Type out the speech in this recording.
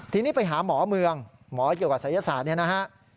ทีนี้ไปหาหมอเมืองหมอเกี่ยวกับศัยศาสตร์เนี่ยนะฮะ